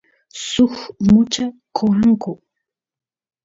suk mucha qoanku